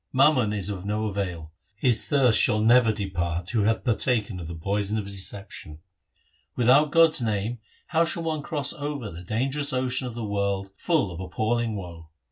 Mammon is of no avail — His thirst shall never depart Who hath partaken of the poison of deception. Without God's name how shall one cross over The dangerous ocean of the world full of appalling woe